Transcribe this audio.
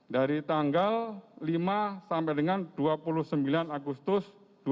dari tanggal lima sampai dengan dua puluh sembilan agustus dua ribu dua puluh